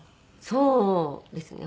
そうですね。